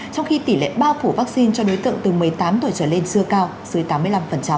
trong khi tỷ lệ bao phủ vaccine cho đối tượng từ một mươi tám tuổi trở lên chưa cao dưới tám mươi năm